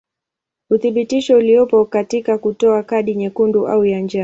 Uthibitisho uliopo katika kutoa kadi nyekundu au ya njano.